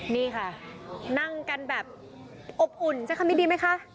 นี่ค่ะนั่งกันแบบอบอุ่นใช้คำนี้ดีไหมคะ